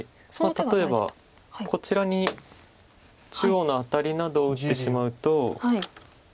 例えばこちらに中央のアタリなどを打ってしまうと。